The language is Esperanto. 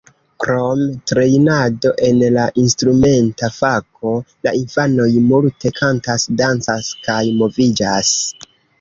Krom trejnado en la instrumenta fako la infanoj multe kantas, dancas kaj moviĝas.